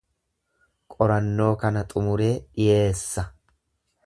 Qorannoo kana xumuree dhiyeessa.